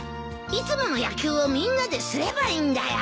いつもの野球をみんなですればいいんだよ。